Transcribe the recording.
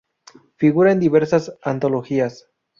Figura en diversas antologías.